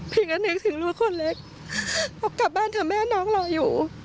เพียงละนึกถึงลูกคนเล็กว่ากลับบ้านเธอแม่น้องรออยู่